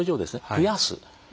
増やす。